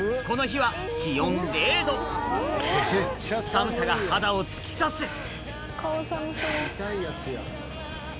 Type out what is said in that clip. この日は寒さが肌を突き刺す！